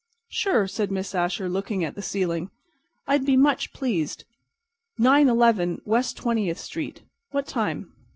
"Sure," said Miss Asher, looking at the ceiling. "I'd be much pleased. Nine eleven West Twentieth street. What time?"